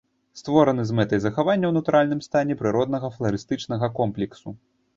Створаны з мэтай захавання ў натуральным стане прыроднага фларыстычнага комплексу.